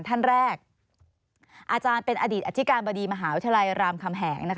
ท่านแรกอาจารย์เป็นอดีตอธิการบดีมหาวิทยาลัยรามคำแหงนะคะ